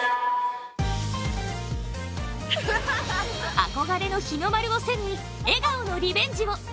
憧れの日の丸を背に笑顔のリベンジを。